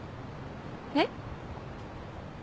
えっ？